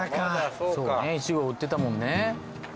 そうねいちご売ってたもんね。